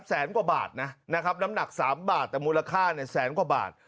แสนกว่าบาทนะนะครับน้ำหนัก๓บาทแต่มูลค่าเนี่ยแสนกว่าบาท